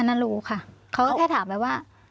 นั้นรู้ค่ะเขาแค่ถามไปว่า